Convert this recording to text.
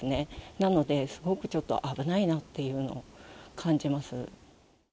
なので、すごくちょっと危ないなっていうのを感じます。